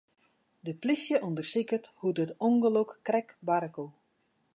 De plysje ûndersiket hoe't it ûngelok krekt barre koe.